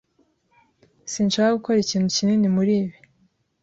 Sinshaka gukora ikintu kinini muri ibi.